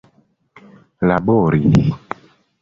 labori